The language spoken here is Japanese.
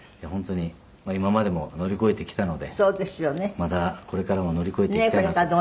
本当に今までも乗り越えてきたのでまたこれからも乗り越えていきたいなと。